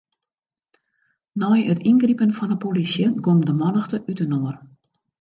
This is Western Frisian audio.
Nei it yngripen fan 'e polysje gong de mannichte útinoar.